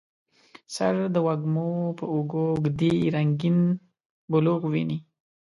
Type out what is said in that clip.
سر د وږمو په اوږو ږدي رنګیین بلوغ ویني